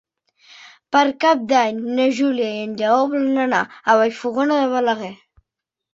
Per Cap d'Any na Júlia i en Lleó volen anar a Vallfogona de Balaguer.